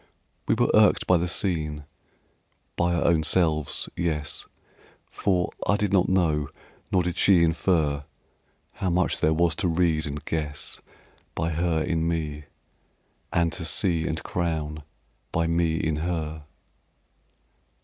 We were irked by the scene, by our own selves; yes, For I did not know, nor did she infer How much there was to read and guess By her in me, and to see and crown By me in her.